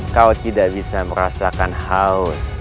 kau tidak bisa merasakan haus